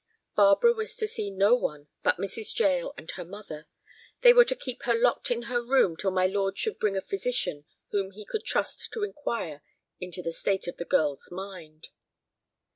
Barbara was to see no one but Mrs. Jael and her mother. They were to keep her locked in her room till my lord should bring a physician whom he could trust to inquire into the state of the girl's mind.